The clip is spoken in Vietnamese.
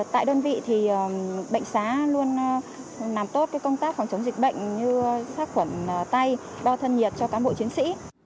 tại đơn vị thì bệnh xá luôn làm tốt công tác phòng chống dịch bệnh như sát quẩn tay đo thân nhiệt cho cán bộ chiến sĩ